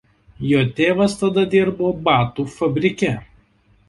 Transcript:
Jo tėvas tada dirbo batų fabrike.